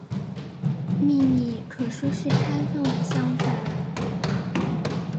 秘密可说是开放的相反。